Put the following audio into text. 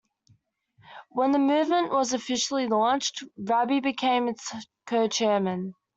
When the movement was officially launched, Raby became its co-chairman.